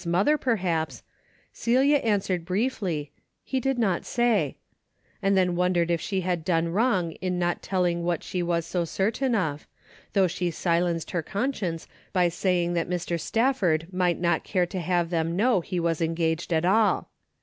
319 mother, perhaps, Celia answered briefly, '' He did not say,'' and then wondered if she had done wrong in not telling what she was so certain of, though she silenced her conscience by saying that Mr. Stafford might not care to have them know he was engaged at all.